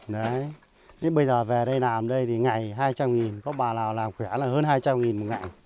đấy bây giờ về đây làm đây thì ngày hai trăm linh có bà lào làm khỏe là hơn hai trăm linh một ngày